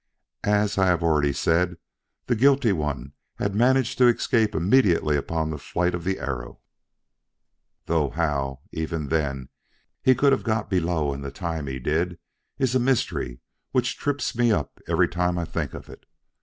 As I have already said, the guilty one had managed to escape immediately upon the flight of the arrow, though how, even then, he could have got below in the time he did is a mystery which trips me up every time I think of it.